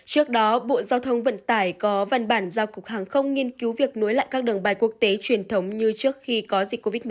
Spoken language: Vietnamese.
trước đó bộ giao thông vận tải có văn bản giao cục hàng không nghiên cứu việc nối lại các đường bay quốc tế truyền thống như trước khi có dịch covid một mươi chín